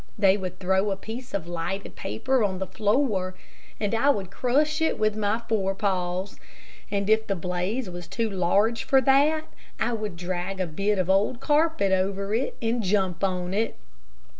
They would throw a piece of lighted paper on the floor, and I would crush it with my forepaws; and If the blaze was too large for that, I would drag a bit of old carpet over it and jump on it.